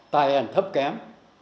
tài hèn thấp kém